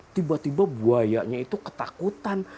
tiba tiba buayanya itu ketakutan